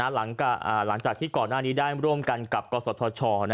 หลังจากที่ก่อนหน้านี้ได้ร่วมกันกับกศธช